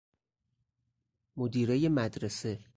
مدیرۀ مدرسه